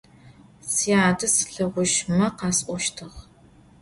Сятэ слъэгъушъумэ къасӏощтыгъ.